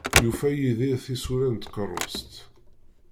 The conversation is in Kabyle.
Yufa Yidir tisura n tkerrust.